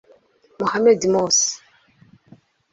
Muhamud Mosi